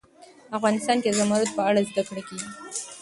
افغانستان کې د زمرد په اړه زده کړه کېږي.